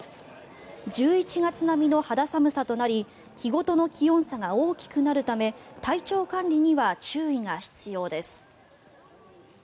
１１月並みの肌寒さとなり日ごとの気温差が大きくなるため体調管理には注意が必要です。